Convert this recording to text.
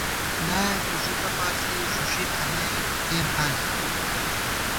واٹلایَنی ݫُدہ پاݪی، ݫُݫِی تھنَئیک تېن حالے